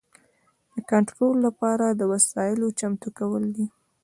د کنټرول لپاره د وسایلو چمتو کول دي.